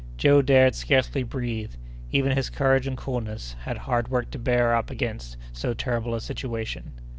Joe dared scarcely breathe. Even his courage and coolness had hard work to bear up against so terrible a situation.